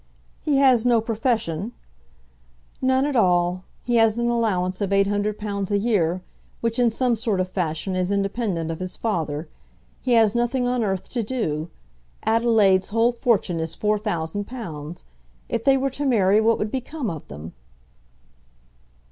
"He has no profession?" "None at all. He has an allowance of £800 a year, which in some sort of fashion is independent of his father. He has nothing on earth to do. Adelaide's whole fortune is four thousand pounds. If they were to marry what would become of them?"